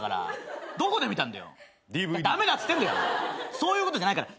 そういうことじゃないから。